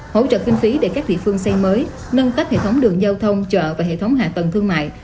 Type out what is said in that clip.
hỗ trợ kinh phí để các địa phương xây mới nâng cấp hệ thống đường giao thông chợ và hệ thống hạ tầng thương mại